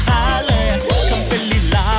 กูลืมใส่มา